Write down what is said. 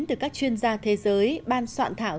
từ các chuyên gia thế giới ban soạn thảo